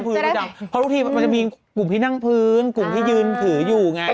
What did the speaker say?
ประจำเพราะทุกทีมันจะมีกลุ่มที่นั่งพื้นกลุ่มที่ยืนถืออยู่ไง